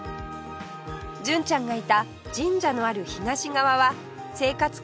純ちゃんがいた神社のある東側は生活感